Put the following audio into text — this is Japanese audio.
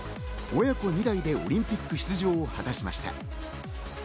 親子２代でオリンピック出場を果たしました。